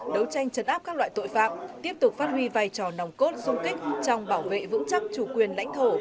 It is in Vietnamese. đấu tranh chấn áp các loại tội phạm tiếp tục phát huy vai trò nòng cốt sung kích trong bảo vệ vững chắc chủ quyền lãnh thổ